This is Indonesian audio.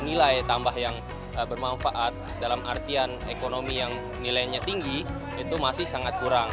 nilai tambah yang bermanfaat dalam artian ekonomi yang nilainya tinggi itu masih sangat kurang